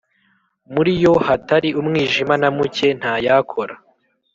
muri yo hatari umwijima na muke ntayakora